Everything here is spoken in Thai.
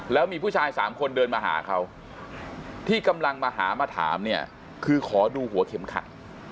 แล้วมีผู้ชาย๓คนเดินมาหาเขาที่กำลังมาหามาถามเนี่ยคือขอดูหัวเข็มขัด